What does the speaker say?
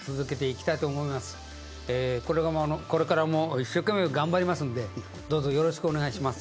これからも一生懸命頑張りますんでどうぞよろしくお願いします。